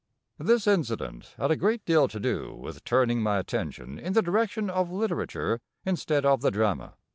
This incident had a great deal to do with turning my attention in the direction of literature instead of the drama.